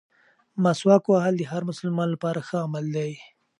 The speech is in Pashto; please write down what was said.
مسواک وهل د هر مسلمان لپاره ښه عمل دی.